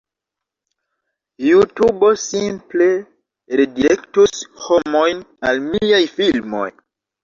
JuTubo simple redirektus homojn al miaj filmoj